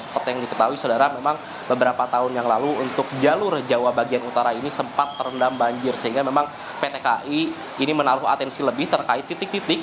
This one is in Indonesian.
seperti yang diketahui saudara memang beberapa tahun yang lalu untuk jalur jawa bagian utara ini sempat terendam banjir sehingga memang pt kai ini menaruh atensi lebih terkait titik titik